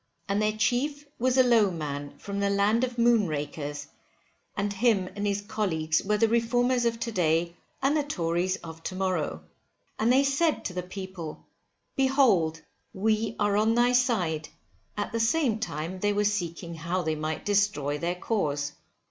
And their chief was a _Low_(e) man from the land of moonrakers; and him and his colleagues were the Reformers of to day and the Tories of to morrow. And they said to the people, behold we are on thy side, at the same time they were seeking how they might destroy their cause.